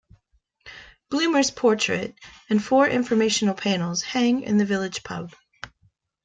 Blumer's portrait, and four information panels, hang in the village pub.